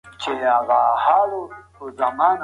انسان د ټولني پرته ناتوان دی.